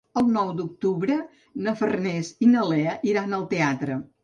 El nou d'octubre na Farners i na Lea iran al teatre.